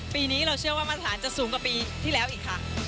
ปีนี้เราเชื่อว่ามาตรฐานจะสูงกว่าปีที่แล้วอีกค่ะ